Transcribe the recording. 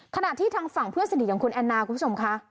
ขณะที่ทางฝั่งเพื่อนสนิทของคุณแอนนาคุณผู้ชมค่ะ